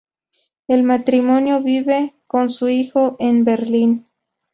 El matrimonio vive con su hijo en Berlín.